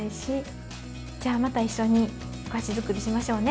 じゃあまた一緒にお菓子づくりしましょうね。